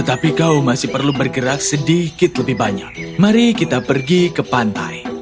tapi kau masih perlu bergerak sedikit lebih banyak mari kita pergi ke pantai